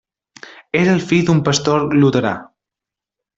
Era el fill d'un pastor luterà.